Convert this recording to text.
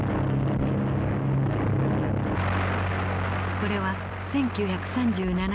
これは１９３７年